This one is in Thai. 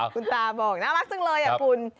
คุณตาบอกน่ารักจังเลยคุณ